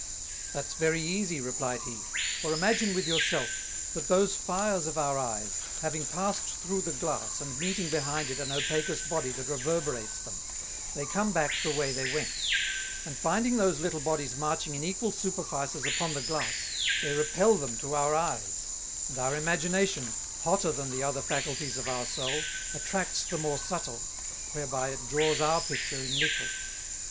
"That's very easie," replied he, "for imagine with your self, that those Fires of our Eyes, having passed through the Glass and meeting behind it an Opacous Body that reverberates them, they come back the way they went; and finding those little Bodies marching in equal Superfices upon the Glass, they repel them to our Eyes; and our Imagination, hotter than the other Faculties of our Soul, attracts the more subtile, wherewith it draws our Picture in little.